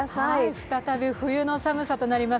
再び冬の長さとなります。